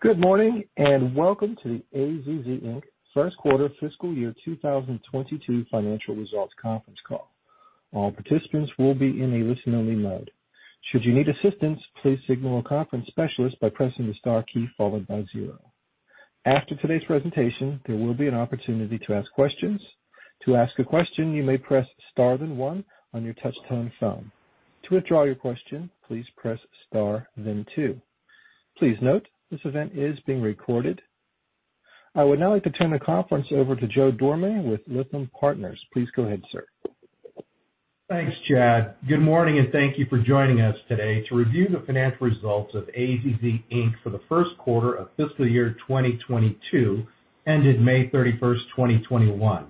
Good morning. Welcome to the AZZ Inc first quarter fiscal year 2022 financial results conference call. All participants will be in a listen-only mode. Should you need assistance, please signal a conference specialist by pressing the star key followed by zero. After today's presentation, there will be an opportunity to ask questions. To ask a question, you may press star, then one on your touch-tone phone. To withdraw your question, please press star, then two. Please note, this event is being recorded. I would now like to turn the conference over to Joe Dorame with Lytham Partners. Please go ahead, sir. Thanks, Chad. Good morning, and thank you for joining us today to review the financial results of AZZ Inc for the first quarter of fiscal year 2022 ended May 31st, 2021.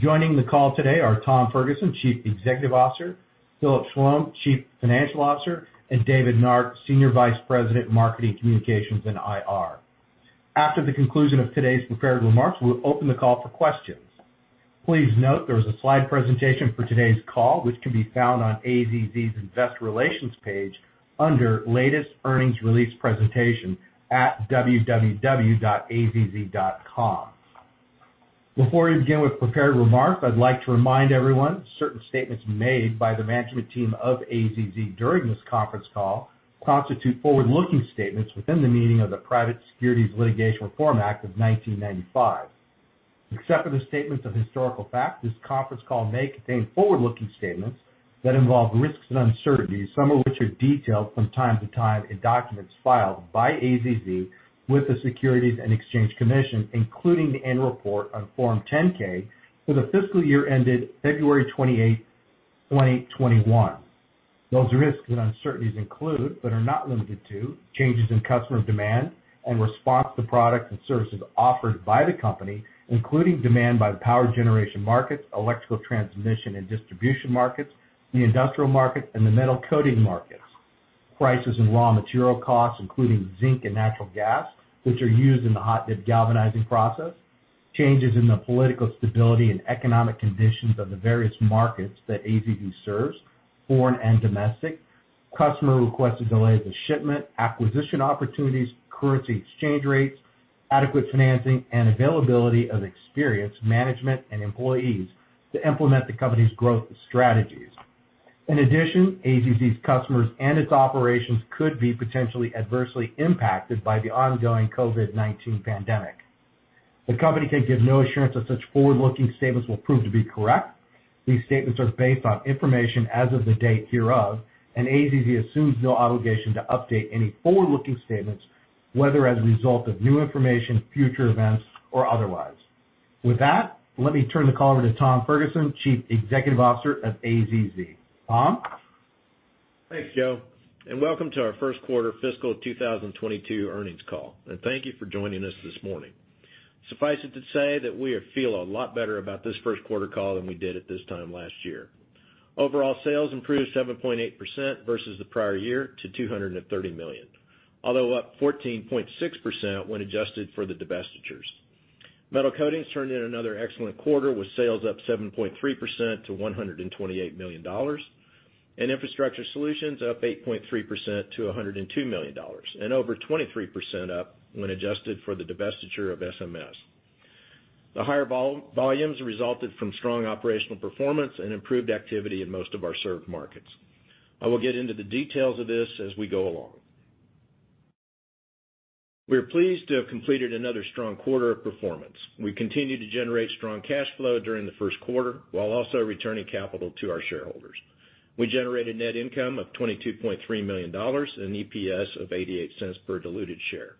Joining the call today are Tom Ferguson, Chief Executive Officer; Philip Schlom, Chief Financial Officer; and David Nark, Senior Vice President, Marketing Communications and IR. After the conclusion of today's prepared remarks, we'll open the call for questions. Please note there is a slide presentation for today's call, which can be found on AZZ's Investor Relations page under Latest Earnings Release Presentation at www.azz.com. Before we begin with prepared remarks, I'd like to remind everyone, certain statements made by the management team of AZZ during this conference call constitute forward-looking statements within the meaning of the Private Securities Litigation Reform Act of 1995. Except for the statements of historical fact, this conference call may contain forward-looking statements that involve risks and uncertainties, some of which are detailed from time to time in documents filed by AZZ with the Securities and Exchange Commission, including the annual report on Form 10-K for the fiscal year ended February 28, 2021. Those risks and uncertainties include, but are not limited to, changes in customer demand and response to products and services offered by the company, including demand by the power generation markets, electrical transmission and distribution markets, the industrial markets, and the metal coating markets. Prices and raw material costs, including zinc and natural gas, which are used in the hot-dip galvanizing process. Changes in the political stability and economic conditions of the various markets that AZZ serves, foreign and domestic. Customer-requested delays of shipment, acquisition opportunities, currency exchange rates, adequate financing, and availability of experienced management and employees to implement the company's growth strategies. In addition, AZZ's customers and its operations could be potentially adversely impacted by the ongoing COVID-19 pandemic. The company can give no assurance that such forward-looking statements will prove to be correct. These statements are based on information as of the date hereof, and AZZ assumes no obligation to update any forward-looking statements, whether as a result of new information, future events, or otherwise. With that, let me turn the call over to Tom Ferguson, Chief Executive Officer at AZZ. Tom? Thanks, Joe, welcome to our first quarter fiscal 2022 earnings call. Thank you for joining us this morning. Suffice it to say that we feel a lot better about this first quarter call than we did at this time last year. Overall sales improved 7.8% versus the prior year to $230 million, although up 14.6% when adjusted for the divestitures. Metal Coatings turned in another excellent quarter with sales up 7.3% to $128 million, and Infrastructure Solutions up 8.3% to $102 million, and over 23% up when adjusted for the divestiture of SMS. The higher volumes resulted from strong operational performance and improved activity in most of our served markets. I will get into the details of this as we go along. We are pleased to have completed another strong quarter of performance. We continued to generate strong cash flow during the first quarter, while also returning capital to our shareholders. We generated net income of $22.3 million and EPS of $0.88 per diluted share,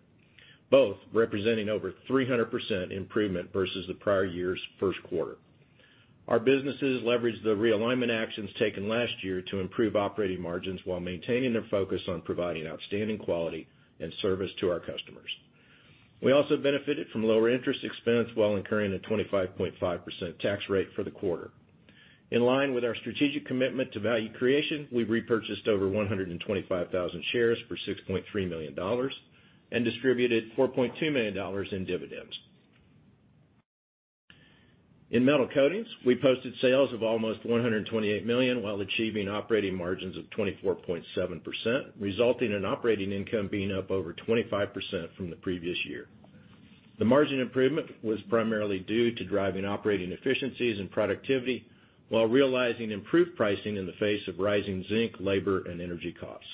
both representing over 300% improvement versus the prior year's first quarter. Our businesses leveraged the realignment actions taken last year to improve operating margins while maintaining their focus on providing outstanding quality and service to our customers. We also benefited from lower interest expense while incurring a 25.5% tax rate for the quarter. In line with our strategic commitment to value creation, we repurchased over 125,000 shares for $6.3 million and distributed $4.2 million in dividends. In Metal Coatings, we posted sales of almost $128 million while achieving operating margins of 24.7%, resulting in operating income being up over 25% from the previous year. The margin improvement was primarily due to driving operating efficiencies and productivity while realizing improved pricing in the face of rising zinc, labor, and energy costs.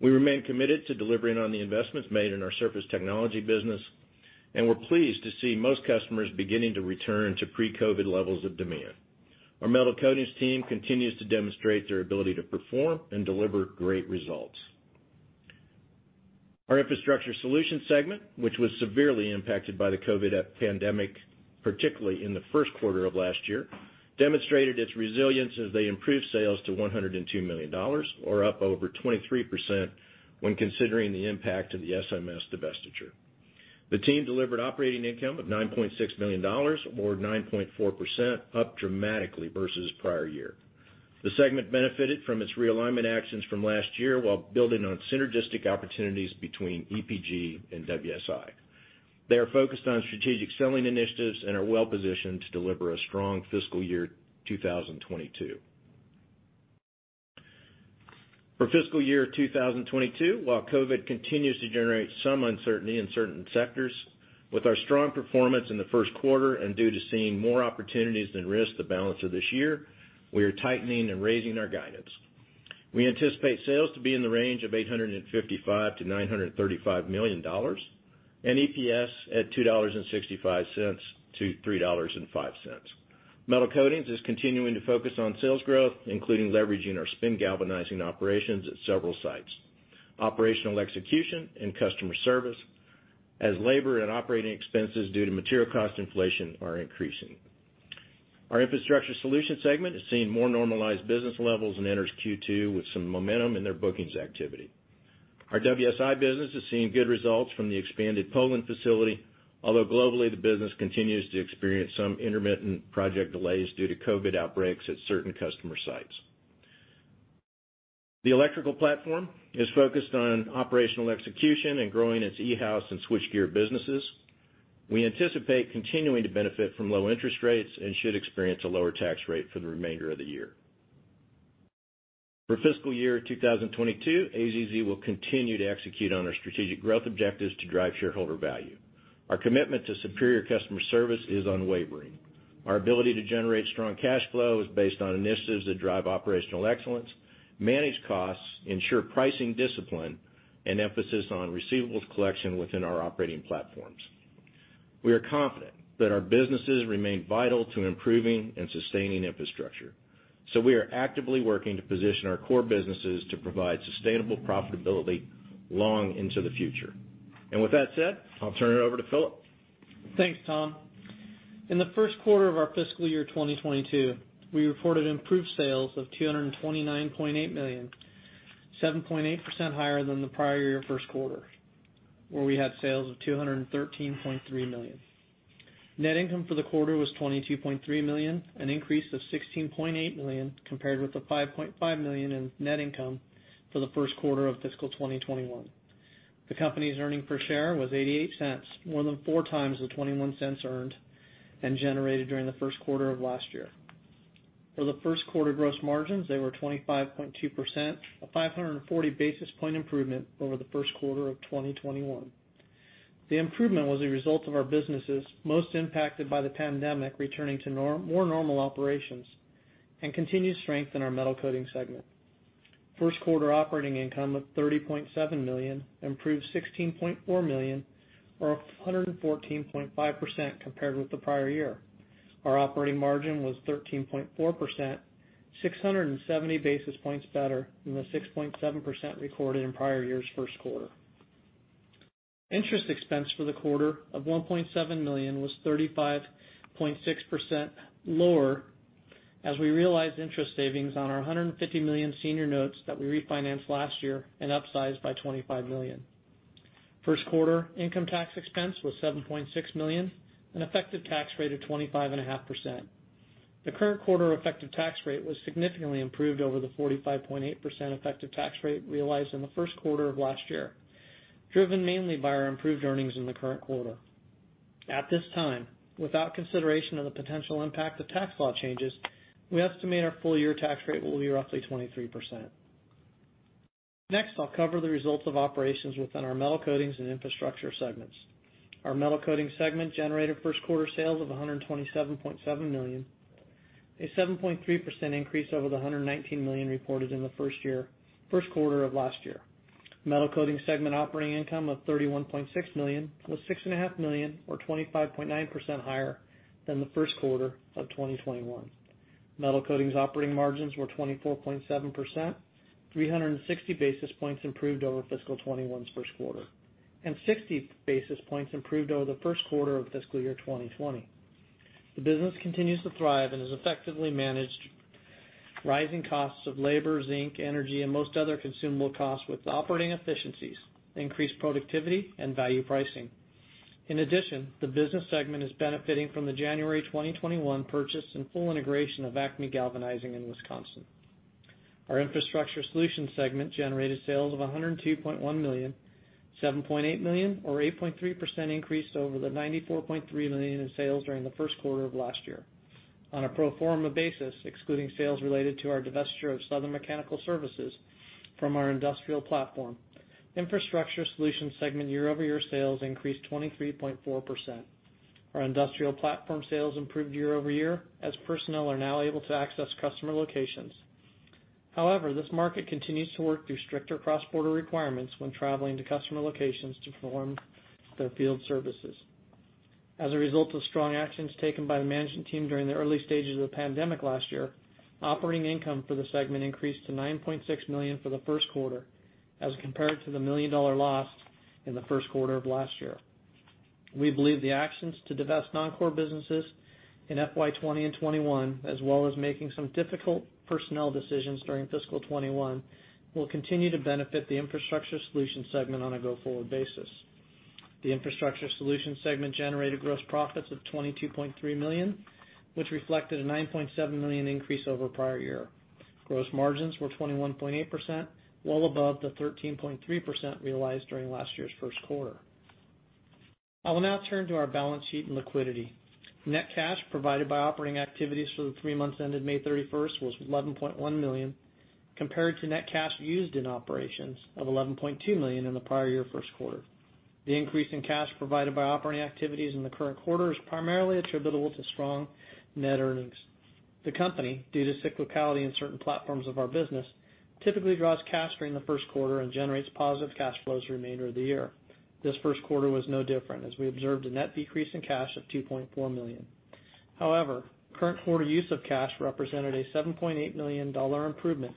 We remain committed to delivering on the investments made in our Surface Technologies business, and we're pleased to see most customers beginning to return to pre-COVID levels of demand. Our Metal Coatings team continues to demonstrate their ability to perform and deliver great results. Our Infrastructure Solutions segment, which was severely impacted by the COVID pandemic, particularly in the first quarter of last year, demonstrated its resilience as they improved sales to $102 million, or up over 23% when considering the impact of the SMS divestiture. The team delivered operating income of $9.6 million or 9.4%, up dramatically versus prior year. The segment benefited from its realignment actions from last year while building on synergistic opportunities between EPG and WSI. They are focused on strategic selling initiatives and are well-positioned to deliver a strong fiscal year 2022. For fiscal year 2022, while COVID continues to generate some uncertainty in certain sectors, with our strong performance in the first quarter and due to seeing more opportunities than risk the balance of this year, we are tightening and raising our guidance. We anticipate sales to be in the range of $855 million-$935 million, and EPS at $2.65-$3.05. Metal Coatings is continuing to focus on sales growth, including leveraging our spin galvanizing operations at several sites, operational execution, and customer service, as labor and operating expenses due to material cost inflation are increasing. Our Infrastructure Solutions segment is seeing more normalized business levels and enters Q2 with some momentum in their bookings activity. Our WSI business is seeing good results from the expanded Poland facility, although globally, the business continues to experience some intermittent project delays due to COVID outbreaks at certain customer sites. The Electrical platform is focused on operational execution and growing its E-House and switchgear businesses. We anticipate continuing to benefit from low interest rates and should experience a lower tax rate for the remainder of the year. For fiscal year 2022, AZZ will continue to execute on our strategic growth objectives to drive shareholder value. Our commitment to superior customer service is unwavering. Our ability to generate strong cash flow is based on initiatives that drive operational excellence, manage costs, ensure pricing discipline, and emphasis on receivables collection within our operating platforms. We are confident that our businesses remain vital to improving and sustaining infrastructure. We are actively working to position our core businesses to provide sustainable profitability long into the future. With that said, I'll turn it over to Philip. Thanks, Tom. In the first quarter of our fiscal year 2022, we reported improved sales of $229.8 million, 7.8% higher than the prior year first quarter, where we had sales of $213.3 million. Net income for the quarter was $22.3 million, an increase of $16.8 million, compared with the $5.5 million in net income for the first quarter of fiscal 2021. The company's earnings per share was $0.88, more than 4x the $0.21 earned and generated during the first quarter of last year. For the first quarter gross margins, they were 25.2%, a 540 basis point improvement over the first quarter of 2021. The improvement was a result of our businesses most impacted by the pandemic returning to more normal operations and continued strength in our Metal Coatings segment. First quarter operating income of $30.7 million, improved $16.4 million, or 114.5% compared with the prior year. Our operating margin was 13.4%, 670 basis points better than the 6.7% recorded in prior year's first quarter. Interest expense for the quarter of $1.7 million was 35.6% lower as we realized interest savings on our $150 million senior notes that we refinanced last year and upsized by $25 million. First quarter income tax expense was $7.6 million, an effective tax rate of 25.5%. The current quarter effective tax rate was significantly improved over the 45.8% effective tax rate realized in the first quarter of last year, driven mainly by our improved earnings in the current quarter. At this time, without consideration of the potential impact of tax law changes, we estimate our full-year tax rate will be roughly 23%. Next, I'll cover the results of operations within our Metal Coatings and Infrastructure segments. Our Metal Coatings segment generated first quarter sales of $127.7 million, a 7.3% increase over the $119 million reported in the first quarter of last year. Metal Coatings segment operating income of $31.6 million was $6.5 million or 25.9% higher than the first quarter of 2021. Metal Coatings operating margins were 24.7%, 360 basis points improved over fiscal 2021's first quarter, and 60 basis points improved over the first quarter of fiscal year 2020. The business continues to thrive and has effectively managed rising costs of labor, zinc, energy, and most other consumable costs with operating efficiencies, increased productivity, and value pricing. In addition, the business segment is benefiting from the January 2021 purchase and full integration of Acme Galvanizing in Wisconsin. Our Infrastructure Solutions segment generated sales of $102.1 million, $7.8 million or 8.3% increase over the $94.3 million in sales during the first quarter of last year. On a pro forma basis, excluding sales related to our divestiture of Southern Mechanical Services from our industrial platform, Infrastructure Solutions segment year-over-year sales increased 23.4%. Our industrial platform sales improved year-over-year, as personnel are now able to access customer locations. This market continues to work through stricter cross-border requirements when traveling to customer locations to perform their field services. As a result of strong actions taken by the management team during the early stages of the pandemic last year, operating income for the segment increased to $9.6 million for the first quarter as compared to the million-dollar loss in the first quarter of last year. We believe the actions to divest non-core businesses in FY 2020 and FY 2021, as well as making some difficult personnel decisions during fiscal 2021, will continue to benefit the Infrastructure Solutions segment on a go-forward basis. The Infrastructure Solutions segment generated gross profits of $22.3 million, which reflected a $9.7 million increase over prior year. Gross margins were 21.8%, well above the 13.3% realized during last year's first quarter. I will now turn to our balance sheet and liquidity. Net cash provided by operating activities for the three months ended May 31st was $11.1 million, compared to net cash used in operations of $11.2 million in the prior year first quarter. The increase in cash provided by operating activities in the current quarter is primarily attributable to strong net earnings. The company, due to cyclicality in certain platforms of our business, typically draws cash during the first quarter and generates positive cash flows the remainder of the year. This first quarter was no different as we observed a net decrease in cash of $2.4 million. However, current quarter use of cash represented a $7.8 million improvement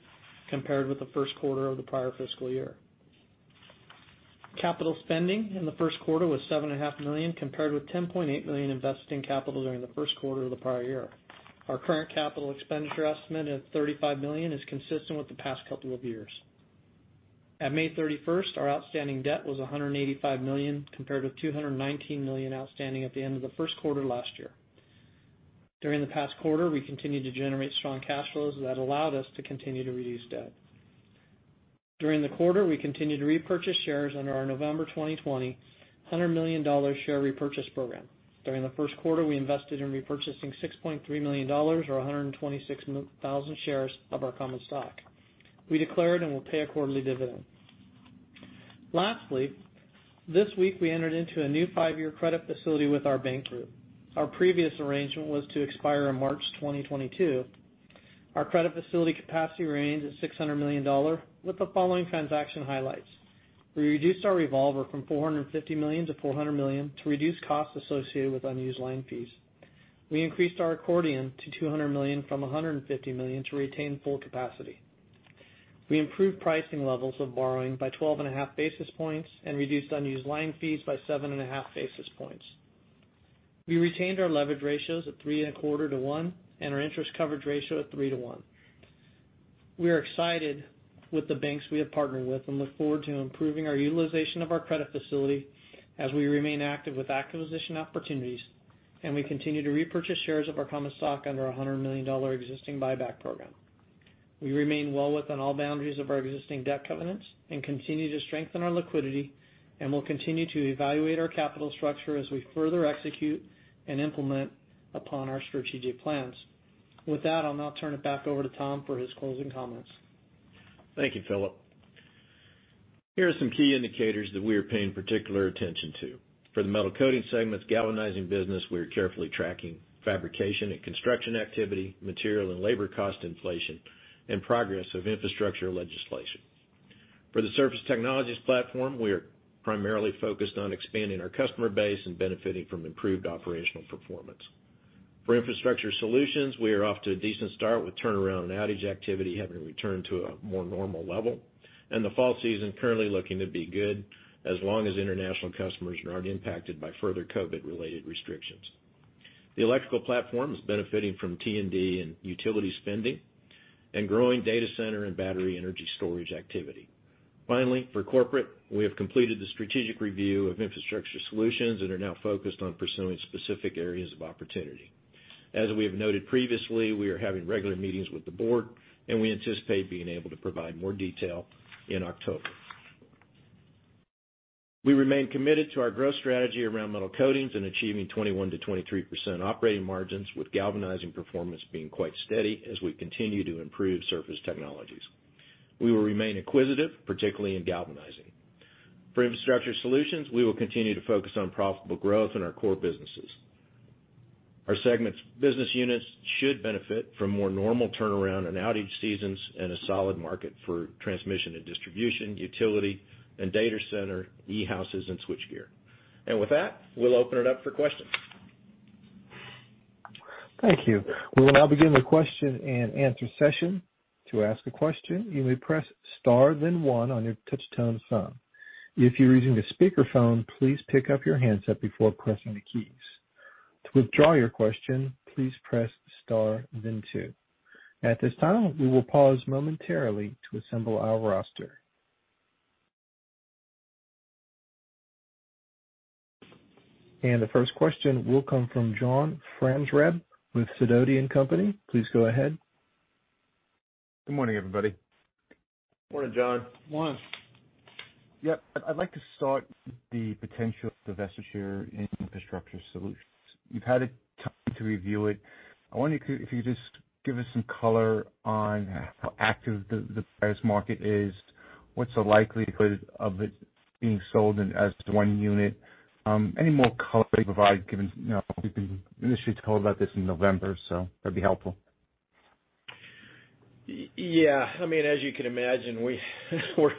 compared with the first quarter of the prior fiscal year. Capital spending in the first quarter was $7.5 million compared to $10.8 million invested in capital during the first quarter of the prior year. Our current capital expenditure estimate of $35 million is consistent with the past couple of years. At May 31st, our outstanding debt was $185 million, compared to $219 million outstanding at the end of the first quarter last year. During the past quarter, we continued to generate strong cash flows that allowed us to continue to reduce debt. During the quarter, we continued to repurchase shares under our November 2020 $100 million share repurchase program. During the first quarter, we invested in repurchasing $6.3 million or 126,000 shares of our common stock. We declared and will pay a quarterly dividend. Lastly, this week we entered into a new five-year credit facility with our bank group. Our previous arrangement was to expire in March 2022. Our credit facility capacity remains at $600 million with the following transaction highlights. We reduced our revolver from $450 million-$400 million to reduce costs associated with unused line fees. We increased our accordion to $200 million from $150 million to retain full capacity. We improved pricing levels of borrowing by 12.5 basis points and reduced unused line fees by 7.5 basis points. We retained our leverage ratios at 3.25:1 and our interest coverage ratio at 3;1. We are excited with the banks we have partnered with and look forward to improving our utilization of our credit facility as we remain active with acquisition opportunities and we continue to repurchase shares of our common stock under our $100 million existing buyback program. We remain well within all boundaries of our existing debt covenants and continue to strengthen our liquidity and will continue to evaluate our capital structure as we further execute and implement upon our strategic plans. With that, I'll now turn it back over to Tom for his closing comments. Thank you, Philip. Here are some key indicators that we are paying particular attention to. For the Metal Coatings segment galvanizing business, we are carefully tracking fabrication and construction activity, material and labor cost inflation, and progress of infrastructure legislation. For the Surface Technologies platform, we are primarily focused on expanding our customer base and benefiting from improved operational performance. For Infrastructure Solutions, we are off to a decent start with turnaround and outage activity having returned to a more normal level, and the fall season currently looking to be good as long as international customers are not impacted by further COVID-19 related restrictions. The Electrical platform is benefiting from T&D and utility spending and growing data center and battery energy storage activity. Finally, for corporate, we have completed the strategic review of Infrastructure Solutions and are now focused on pursuing specific areas of opportunity. As we have noted previously, we are having regular meetings with the board, and we anticipate being able to provide more detail in October. We remain committed to our growth strategy around Metal Coatings and achieving 21%-23% operating margins, with galvanizing performance being quite steady as we continue to improve Surface Technologies. We will remain acquisitive, particularly in galvanizing. For Infrastructure Solutions, we will continue to focus on profitable growth in our core businesses. Our segment's business units should benefit from more normal turnaround and outage seasons and a solid market for transmission and distribution, utility, and data center, E-Houses, and switchgear. With that, we'll open it up for questions. Thank you. We will now begin the question and answer session. To ask a question, you may press star then one on your touch-tone phone. If you're using a speakerphone, please pick up your handset before pressing the keys. To withdraw your question, please press star then two. At this time, we will pause momentarily to assemble our roster. The first question will come from John Franzreb with Sidoti & Company. Please go ahead. Good morning, everybody. Morning, John. Morning. Yep. I'd like to start with the potential divestiture in Infrastructure Solutions. You've had a time to review it. I wonder if you could just give us some color on how active the buyer's market is, what's the likelihood of it being sold as one unit? Any more color you can provide given we've been initially told about this in November, so that'd be helpful. Yeah. As you can imagine, we're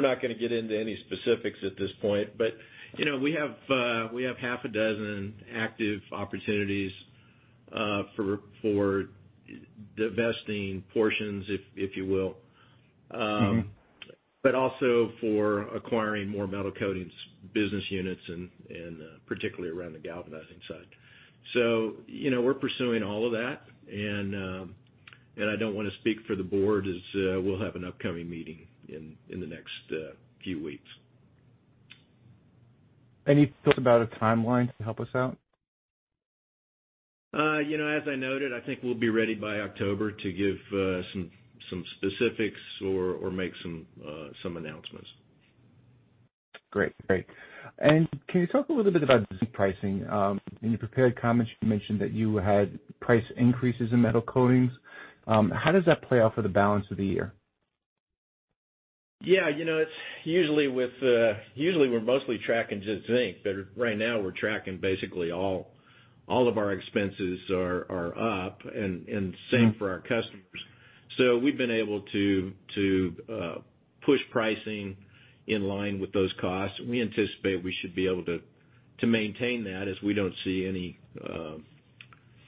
not going to get into any specifics at this point. We have half a dozen active opportunities for divesting portions if you will. Also for acquiring more metal coatings business units and particularly around the galvanizing side. We're pursuing all of that, and I don't want to speak for the board as we'll have an upcoming meeting in the next few weeks. Any thought about a timeline to help us out? As I noted, I think we'll be ready by October to give some specifics or make some announcements. Great. Can you talk a little bit about zinc pricing? In your prepared comments, you mentioned that you had price increases in Metal Coatings. How does that play out for the balance of the year? Yeah. Usually we're mostly tracking just zinc, but right now we're tracking basically all of our expenses are up, and same for our customers. We've been able to push pricing in line with those costs. We anticipate we should be able to maintain that as we don't see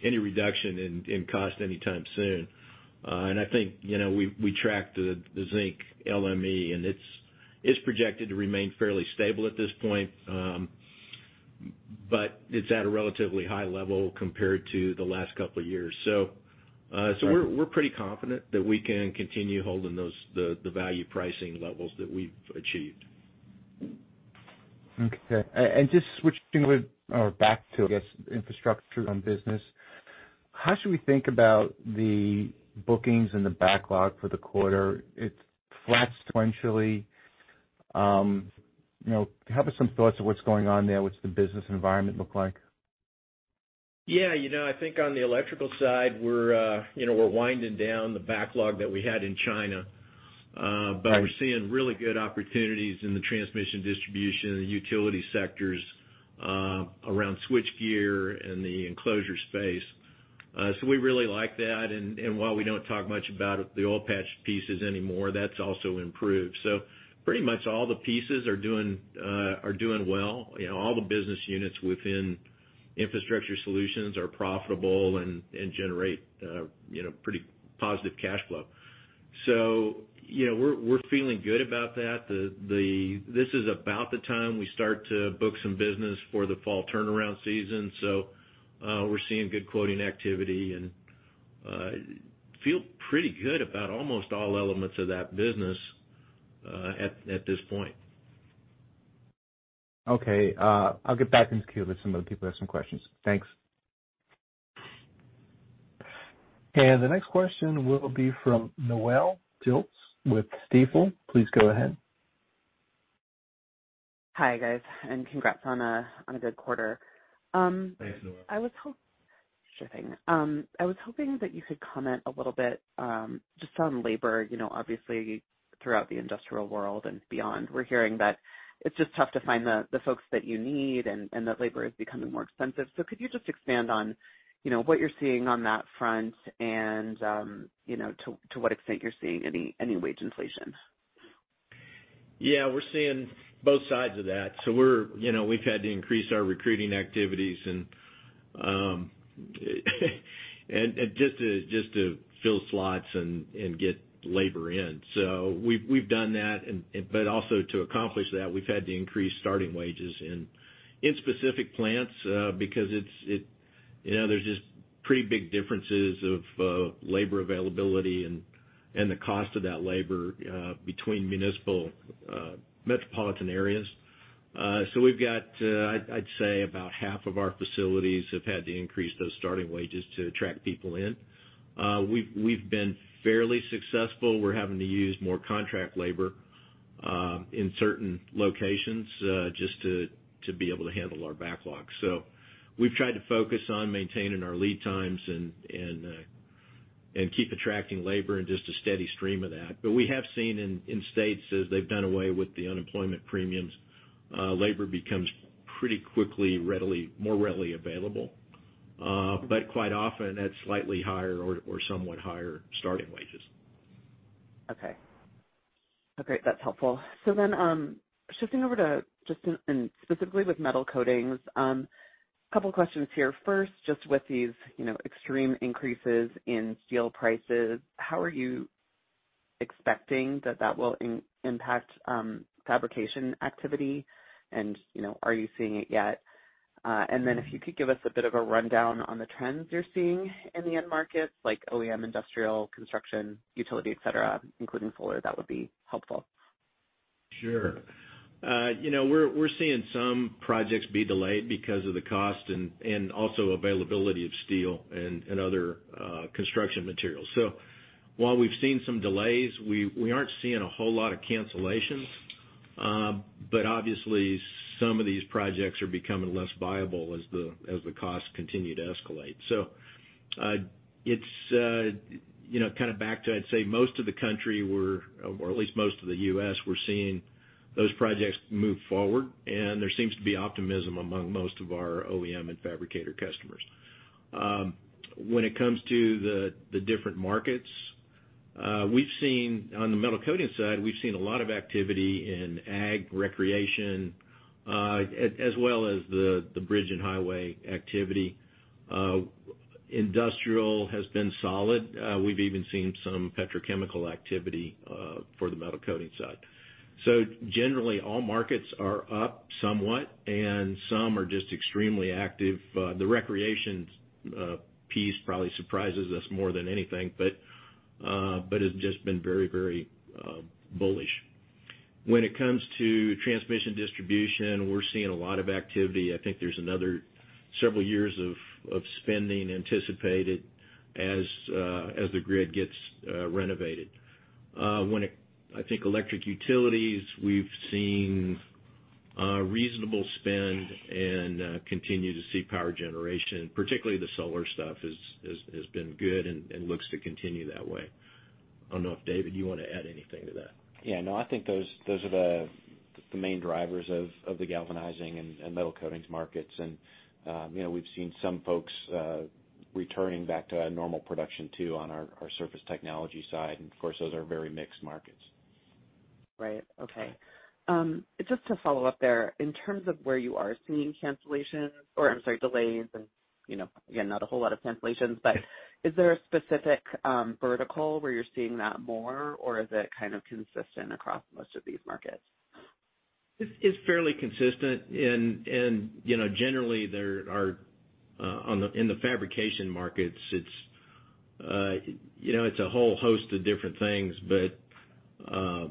any reduction in cost anytime soon. I think we track the zinc LME, and it's projected to remain fairly stable at this point. It's at a relatively high level compared to the last couple of years, we're pretty confident that we can continue holding the value pricing levels that we've achieved. Okay. Just switching back to, I guess, Infrastructure Solutions business. How should we think about the bookings and the backlog for the quarter? It's flat sequentially. Have some thoughts of what's going on there. What's the business environment look like? I think on the electrical side, we're winding down the backlog that we had in China. We're seeing really good opportunities in the transmission distribution and the utility sectors around switchgear and the enclosure space. We really like that, and while we don't talk much about the oil patch pieces anymore, that's also improved. Pretty much all the pieces are doing well. All the business units within Infrastructure Solutions are profitable and generate pretty positive cash flow. We're feeling good about that. This is about the time we start to book some business for the fall turnaround season. We're seeing good quoting activity, and feel pretty good about almost all elements of that business, at this point. Okay. I'll get back into queue. Let some other people ask some questions. Thanks. The next question will be from Noelle Dilts with Stifel. Please go ahead. Hi, guys, and congrats on a good quarter. Thanks, Noelle. I was hoping that you could comment a little bit, just on labor. Obviously, throughout the industrial world and beyond, we're hearing that it's just tough to find the folks that you need and that labor is becoming more expensive. Could you just expand on what you're seeing on that front and, to what extent you're seeing any wage inflation? Yeah, we're seeing both sides of that. We've had to increase our recruiting activities and just to fill slots and get labor in. We've done that, but also to accomplish that, we've had to increase starting wages in specific plants, because there's just pretty big differences of labor availability and the cost of that labor between municipal metropolitan areas. We've got, I'd say about half of our facilities have had to increase those starting wages to attract people in. We've been fairly successful. We're having to use more contract labor, in certain locations, just to be able to handle our backlog. We've tried to focus on maintaining our lead times and keep attracting labor and just a steady stream of that. We have seen in states, as they've done away with the unemployment premiums, labor becomes pretty quickly more readily available. Quite often at slightly higher or somewhat higher starting wages. Okay. Great. That's helpful. Shifting over to just in specifically with Metal Coatings. Couple of questions here. First, just with these extreme increases in steel prices, how are you expecting that that will impact fabrication activity? Are you seeing it yet? If you could give us a bit of a rundown on the trends you're seeing in the end markets like OEM, industrial, construction, utility, etc., including solar, that would be helpful. Sure. We're seeing some projects be delayed because of the cost and also availability of steel and other construction materials. While we've seen some delays, we aren't seeing a whole lot of cancellations. Obviously some of these projects are becoming less viable as the costs continue to escalate. It's kind of back to, I'd say most of the country we're, or at least most of the U.S., we're seeing those projects move forward, and there seems to be optimism among most of our OEM and fabricator customers. When it comes to the different markets, on the Metal Coatings side, we've seen a lot of activity in ag, recreation, as well as the bridge and highway activity. Industrial has been solid. We've even seen some petrochemical activity, for the Metal Coatings side. Generally, all markets are up somewhat, and some are just extremely active. The recreations piece probably surprises us more than anything, has just been very bullish. When it comes to transmission distribution, we're seeing a lot of activity. I think there's another several years of spending anticipated as the grid gets renovated. I think electric utilities, we've seen reasonable spend and continue to see power generation, particularly the solar stuff has been good and looks to continue that way. I don't know if, David, you want to add anything to that. Yeah, no, I think those are the main drivers of the galvanizing and metal coatings markets. We've seen some folks returning back to normal production too on our Surface Technologies side. Of course, those are very mixed markets. Right. Okay. Just to follow up there, in terms of where you are seeing cancellations or I'm sorry, delays and again, not a whole lot of cancellations, but is there a specific vertical where you're seeing that more or is it kind of consistent across most of these markets? It's fairly consistent, and generally in the fabrication markets, it's a whole host of different things. I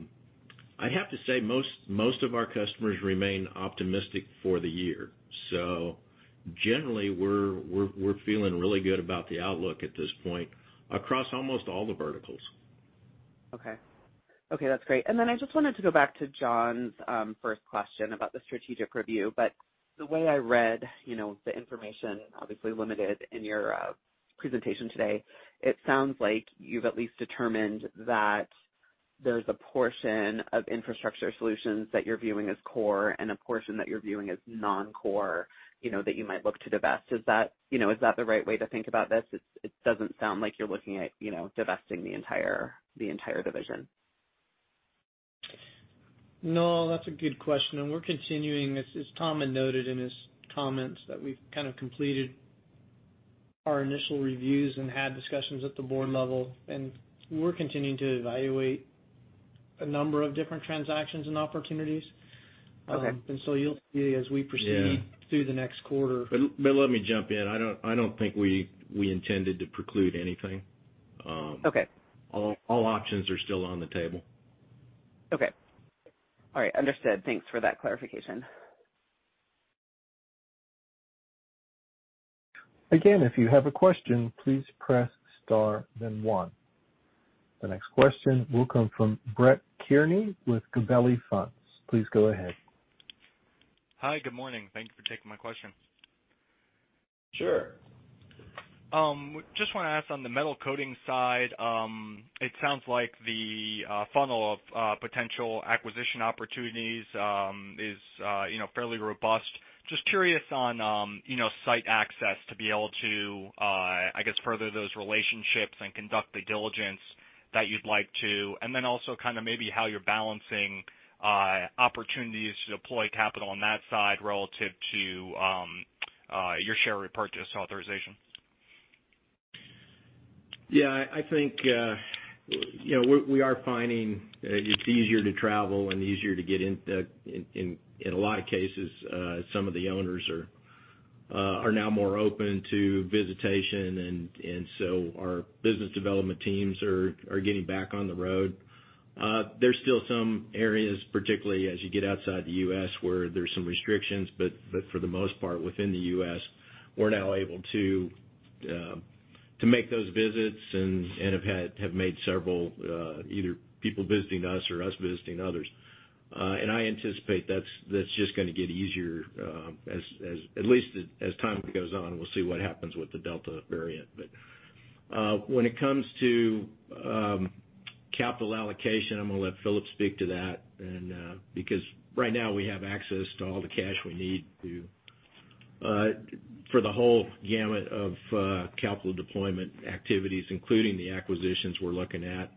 have to say, most of our customers remain optimistic for the year. Generally, we're feeling really good about the outlook at this point across almost all the verticals. Okay. That's great. Then I just wanted to go back to John's first question about the strategic review, but the way I read the information, obviously limited in your presentation today, it sounds like you've at least determined that there's a portion of Infrastructure Solutions that you're viewing as core and a portion that you're viewing as non-core, that you might look to divest. Is that the right way to think about this? It doesn't sound like you're looking at divesting the entire division. No, that's a good question. We're continuing. As Tom noted in his comments, that we've kind of completed our initial reviews and had discussions at the board level, and we're continuing to evaluate a number of different transactions and opportunities. You'll see as we proceed through the next quarter. Let me jump in. I don't think we intended to preclude anything. All options are still on the table. Okay. All right. Understood. Thanks for that clarification. Again, if you have a question, please press star then one. The next question will come from Brett Kearney with Gabelli Funds. Please go ahead. Hi. Good morning. Thank you for taking my question. Sure. Just want to ask on the Metal Coatings side, it sounds like the funnel of potential acquisition opportunities is fairly robust. Just curious on site access to be able to, I guess, further those relationships and conduct the diligence that you'd like to, and then also kind of maybe how you're balancing opportunities to deploy capital on that side relative to your share repurchase authorization. Yeah, I think we are finding it's easier to travel and easier to get in. In a lot of cases, some of the owners are now more open to visitation, our business development teams are getting back on the road. There's still some areas, particularly as you get outside the U.S., where there's some restrictions, for the most part, within the U.S., we're now able to make those visits and have made several, either people visiting us or us visiting others. I anticipate that's just going to get easier at least as time goes on. We'll see what happens with the Delta variant. When it comes to capital allocation, I'm going to let Philip speak to that, because right now we have access to all the cash we need for the whole gamut of capital deployment activities, including the acquisitions we're looking at.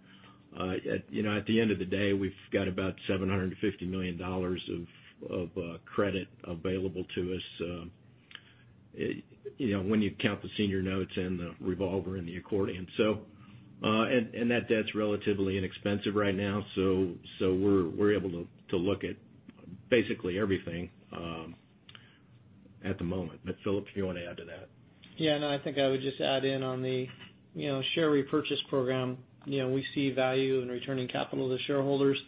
At the end of the day, we've got about $750 million of credit available to us when you count the senior notes and the revolver and the accordion. That debt's relatively inexpensive right now, so we're able to look at basically everything at the moment. Philip, if you want to add to that. I think I would just add in on the share repurchase program. We see value in returning capital to shareholders.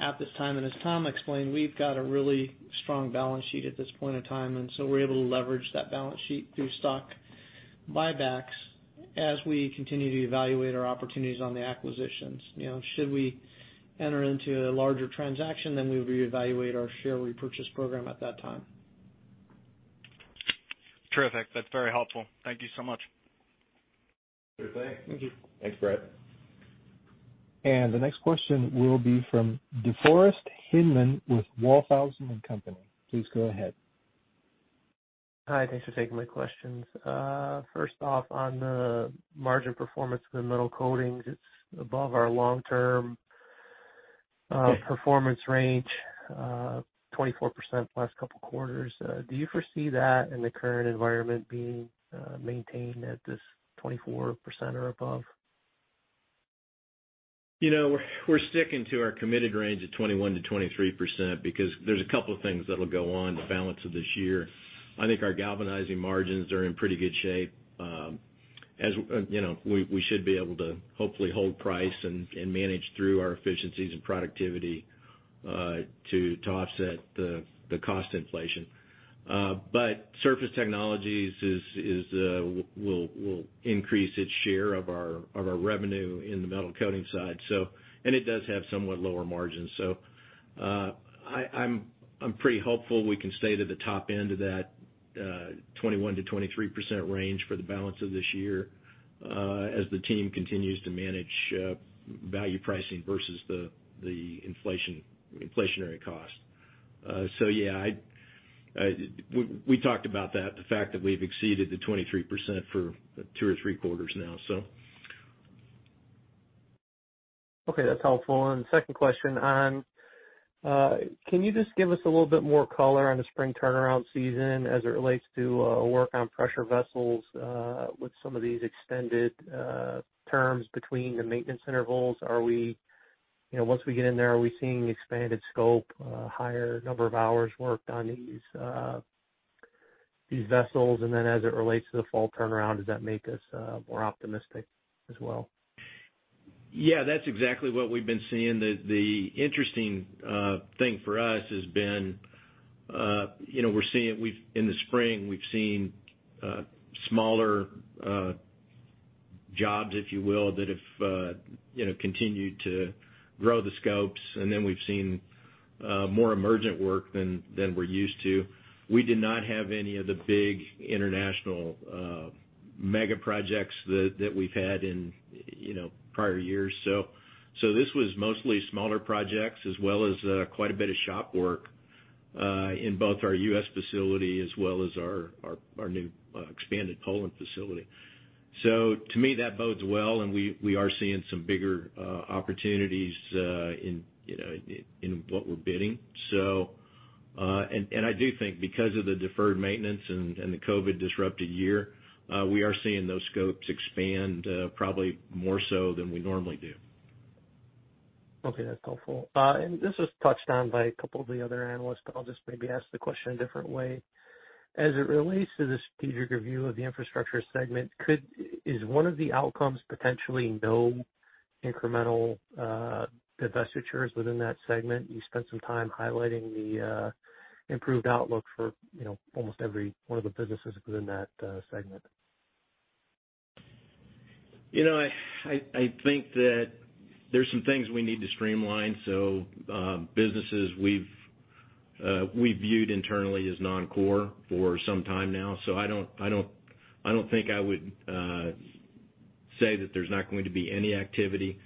At this time, as Tom explained, we've got a really strong balance sheet at this point in time, and so we're able to leverage that balance sheet through stock buybacks as we continue to evaluate our opportunities on the acquisitions. Should we enter into a larger transaction, then we reevaluate our share repurchase program at that time. Terrific. That's very helpful. Thank you so much. Good. Thanks. Thank you. Thanks, Brett. The next question will be from DeForest Hinman with Walthausen & Co. Please go ahead. Hi, thanks for taking my questions. First off, on the margin performance of the Metal Coatings, it's above our long-term performance range, 24% the last couple quarters. Do you foresee that in the current environment being maintained at this 24% or above? We're sticking to our committed range of 21%-23% because there's a couple things that'll go on the balance of this year. I think our galvanizing margins are in pretty good shape. As you know, we should be able to hopefully hold price and manage through our efficiencies and productivity to offset the cost inflation. Surface Technologies will increase its share of our revenue in the Metal Coatings side. It does have somewhat lower margins. I'm pretty hopeful we can stay to the top end of that 21%-23% range for the balance of this year as the team continues to manage value pricing versus the inflationary cost. Yeah, we talked about that, the fact that we've exceeded the 23% for two or three quarters now. Okay, that's helpful. Second question. Can you just give us a little bit more color on the spring turnaround season as it relates to work on pressure vessels with some of these extended terms between the maintenance intervals? Once we get in there, are we seeing expanded scope, a higher number of hours worked on these vessels? As it relates to the fall turnaround, does that make us more optimistic as well? Yeah, that's exactly what we've been seeing. The interesting thing for us has been we're seeing in the spring, we've seen smaller jobs, if you will, that have continued to grow the scopes, and then we've seen more emergent work than we're used to. We did not have any of the big international mega projects that we've had in prior years. This was mostly smaller projects as well as quite a bit of shop work in both our U.S. facility as well as our new expanded Poland facility. To me, that bodes well, and we are seeing some bigger opportunities in what we're bidding. I do think because of the deferred maintenance and the COVID disrupted year, we are seeing those scopes expand probably more so than we normally do. Okay, that's helpful. This was touched on by a couple of the other analysts, but I'll just maybe ask the question a different way. As it relates to the strategic review of the infrastructure segment, is one of the outcomes potentially no incremental divestitures within that segment? You spent some time highlighting the improved outlook for almost every one of the businesses within that segment. I think that there's some things we need to streamline. Businesses we've viewed internally as non-core for some time now. I don't think I would say that there's not going to be any activity.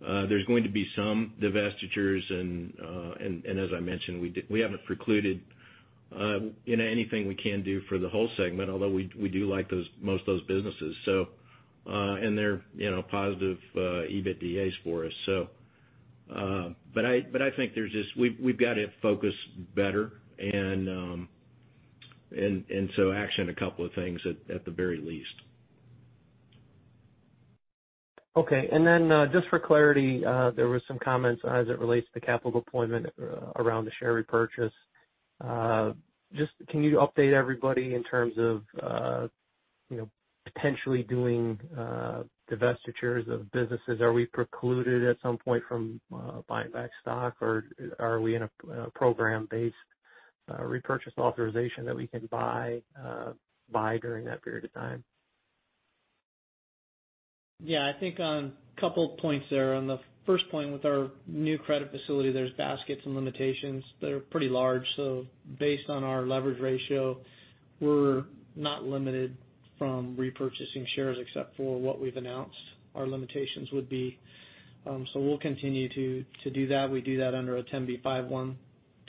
There's going to be some divestitures, and as I mentioned, we haven't precluded anything we can do for the whole segment, although we do like most of those businesses. They're positive EBITDAs for us. I think we've got to focus better and so action two things at the very least. Okay. Just for clarity, there were some comments as it relates to capital deployment around the share repurchase. Just can you update everybody in terms of potentially doing divestitures of businesses? Are we precluded at some point from buying back stock, or are we in a program-based repurchase authorization that we can buy during that period of time? Yeah, I think on a couple of points there. On the first point with our new credit facility, there's baskets and limitations that are pretty large. Based on our leverage ratio, we're not limited from repurchasing shares except for what we've announced our limitations would be. We'll continue to do that. We do that under a 10b5-1,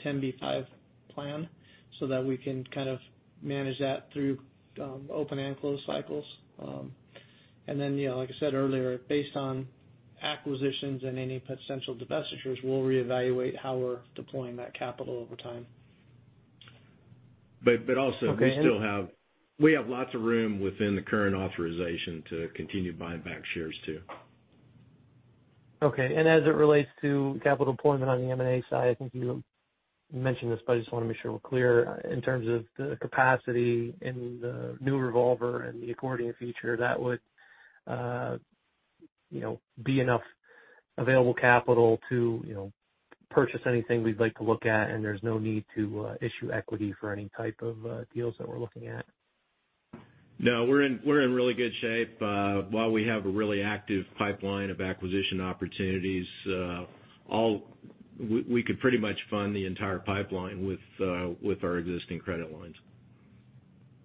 10b5 plan so that we can kind of manage that through open-end close cycles. Like I said earlier, based on acquisitions and any potential divestitures, we'll reevaluate how we're deploying that capital over time. We have lots of room within the current authorization to continue buying back shares, too. Okay. As it relates to capital deployment on the M&A side, I think you mentioned this, but I just want to make sure we're clear in terms of the capacity in the new revolver and the accordion feature that would be enough available capital to purchase anything we'd like to look at, and there's no need to issue equity for any type of deals that we're looking at? No, we're in really good shape. While we have a really active pipeline of acquisition opportunities, we could pretty much fund the entire pipeline with our existing credit lines.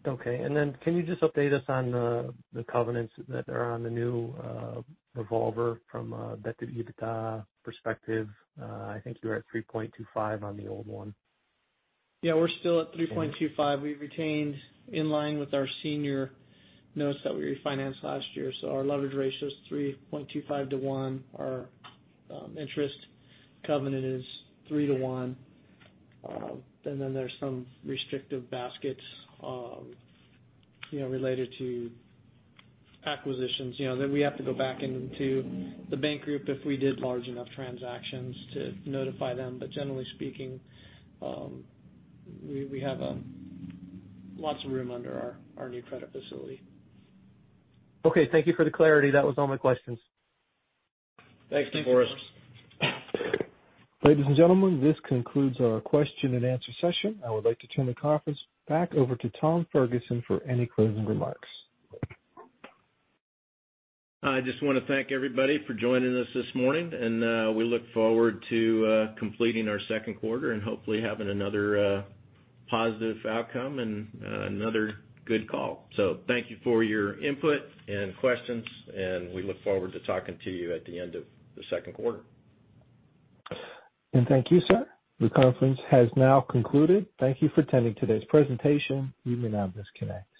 Okay. Can you just update us on the covenants that are on the new revolver from a debt to EBITDA perspective? I think you're at 3.25 on the old one. We're still at 3.25. We've retained in line with our senior notes that we refinanced last year. Our leverage ratio is 3.25:1. Our interest covenant is 3:1. There's some restrictive baskets related to acquisitions that we have to go back into the bank group if we did large enough transactions to notify them. Generally speaking, we have lots of room under our new credit facility. Okay. Thank you for the clarity. That was all my questions. Thank you, DeForest. Ladies and gentlemen, this concludes our question and answer session. I would like to turn the conference back over to Tom Ferguson for any closing remarks. I just want to thank everybody for joining us this morning, and we look forward to completing our second quarter and hopefully having another positive outcome and another good call. Thank you for your input and questions, and we look forward to talking to you at the end of the second quarter. Thank you, sir. The conference has now concluded. Thank you for attending today's presentation. You may now disconnect.